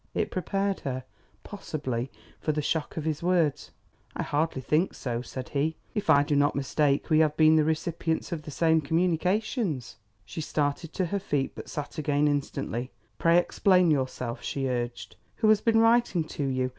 It prepared her, possibly, for the shock of his words: "I hardly think so," said he. "If I do not mistake, we have been the recipients of the same communications." She started to her feet, but sat again instantly. "Pray explain yourself," she urged. "Who has been writing to you?